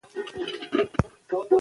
باسواده نجونې د واکسین په اهمیت پوهیږي.